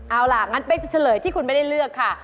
เอาล่ะงั้นเป๊กจะเฉลยที่คุณไม่ได้เลือกค่ะ